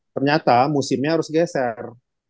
ternyata musimnya harus geser